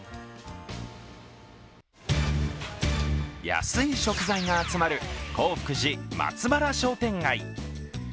安い食材が集まる洪福寺松原商店街。